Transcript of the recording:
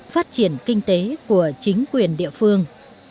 phát triển kinh tế của chính quyền địa phương